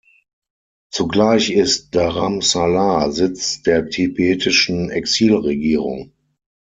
Zugleich ist Dharamsala Sitz der tibetischen Exilregierung.